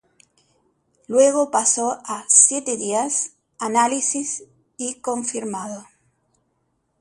Luego pasó a "Siete Días", "Análisis" y "Confirmado".